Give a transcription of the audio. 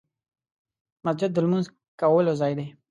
مسجد د لمونځ کولو ځای دی .